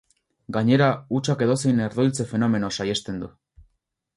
Gainera, hutsak edozein herdoiltze-fenomeno saihesten du.